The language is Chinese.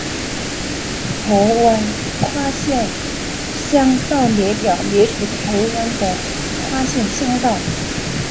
台湾跨县乡道列表列出台湾的跨县乡道。